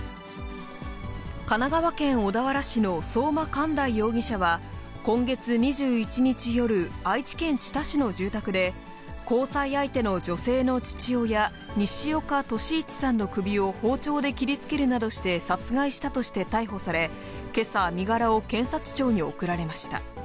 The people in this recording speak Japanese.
神奈川県小田原市の相馬寛大容疑者は、今月２１日夜、愛知県知多市の住宅で、交際相手の女性の父親、西岡歳一さんの首を包丁で切りつけるなどして殺害したとして逮捕され、けさ、身柄を検察庁に送られました。